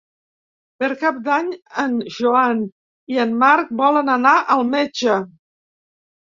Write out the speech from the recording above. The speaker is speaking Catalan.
Per Cap d'Any en Joan i en Marc volen anar al metge.